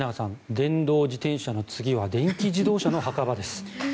電動自転車の次は電気自動車の墓場です。